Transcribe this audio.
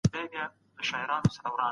د داستان څېړونکی باید لاري پیدا کړي.